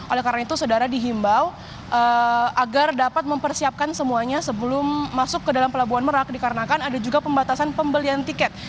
oleh karena itu saudara dihimbau agar dapat mempersiapkan semuanya sebelum masuk ke dalam pelabuhan merak dikarenakan ada juga pembatasan pembelian tiket